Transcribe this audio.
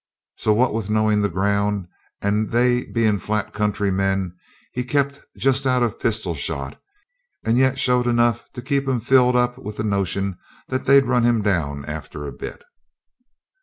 So what with knowing the ground, and they being flat country men, he kept just out of pistol shot, and yet showed enough to keep 'em filled up with the notion that they'd run him down after a bit.